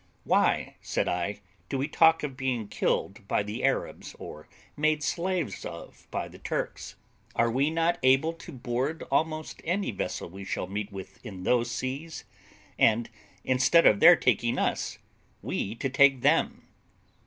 "Why," said I, "do we talk of being killed by the Arabs, or made slaves of by the Turks? Are we not able to board almost any vessel we shall meet with in those seas; and, instead of their taking us, we to take them?"